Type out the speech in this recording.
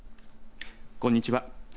こんにちは。